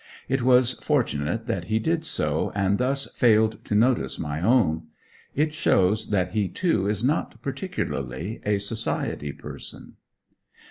It was fortunate that he did so, and thus failed to notice my own. It shows that he, too, is not particularly a society person.